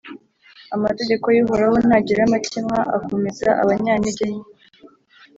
“amategeko y’uhoraho ntagira amakemwa, akomeza abanyantegenke